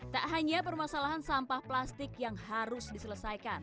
tak hanya permasalahan sampah plastik yang harus diselesaikan